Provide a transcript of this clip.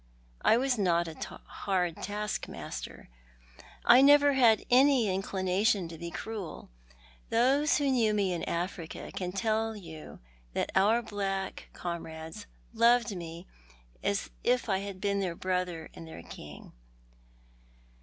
I was not a hard taskmaster. I never had any inclination to be cruel. Those who knew me in Africa can tell you that our black comrades loved me as if I had been their brother and their king.